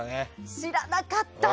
知らなかった。